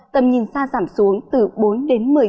tầm nhìn xa giảm xuống từ bốn một mươi km trong mưa